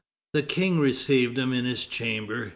The King received him in his chamber.